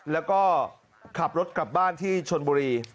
แล้วก็ขับรถกลับบ้านที่ชนบุรี